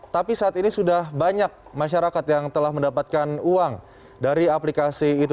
jadi saat ini sudah banyak masyarakat yang telah mendapatkan uang dari aplikasi itu